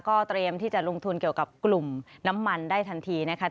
เตรียมที่จะลงทุนเกี่ยวกับกลุ่มน้ำมันได้ทันทีนะคะ